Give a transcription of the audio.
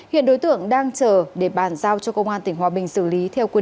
hiện đối tượng đang chờ để bàn giao cho công an tỉnh hòa bình xử lý theo quy định của pháp luật